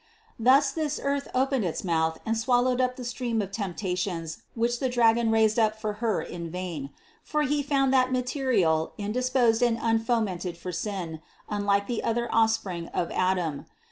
Thus this earth opened its mouth and swallowed up the stream of temptations which the dragon raised up for Her in vain; for he found that material indisposed and unfomented for sin, unlike the other offspring of Adam.